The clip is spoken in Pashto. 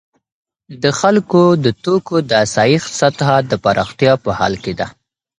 د خلکو د توکو د آسایښت سطح د پراختیا په حال کې ده.